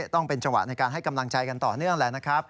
ต้องเป็นจังหวะในการให้กำลังใจกันต่อเนื่องแหละนะครับ